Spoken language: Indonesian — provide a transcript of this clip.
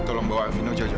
tolong bawa elvino jauh jauh